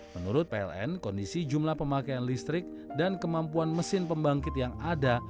menurut pln kondisi jumlah pemakaian listrik dan kemampuan mesin pembangkit yang ada